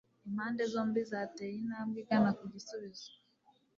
Impande zombi zateye intambwe igana ku gisubizo